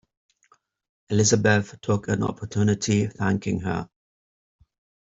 Elizabeth took an opportunity of thanking her.